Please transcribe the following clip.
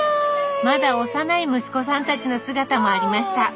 まだ幼い息子さんたちの姿もありました。